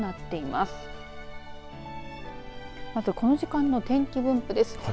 まず、この時間の天気分布です。